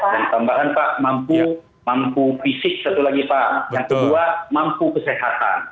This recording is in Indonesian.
yang kedua mampu kesehatan